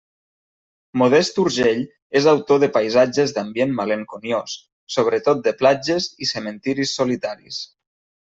Modest Urgell és autor de paisatges d'ambient malenconiós, sobretot de platges i cementiris solitaris.